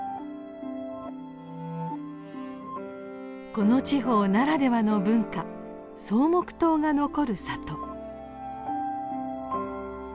この地方ならではの文化「草木塔」が残る里。